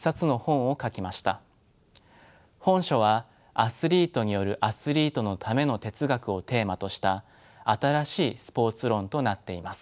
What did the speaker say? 本書は「アスリートによるアスリートのための哲学」をテーマとした新しいスポーツ論となっています。